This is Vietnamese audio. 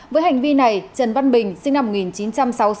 với hành vi này trần văn bình sinh năm một nghìn chín trăm sáu mươi sáu